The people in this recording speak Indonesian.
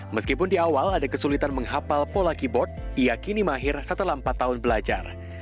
meskipun di awal ada kesulitan menghapal pola keyboard ia kini mahir setelah empat tahun belajar